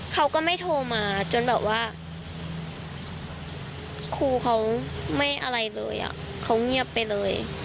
เขาก็ไม่โทรมาจนแบบว่าครูเขาไม่อะไรเลยเขาเงียบไปเลย